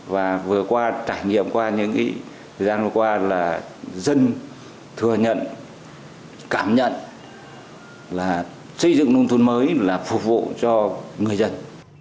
và vừa qua trải nghiệm qua những thời gian vừa qua là dân thừa nhận cảm nhận là xây dựng nông thôn mới là phục vụ cho người dân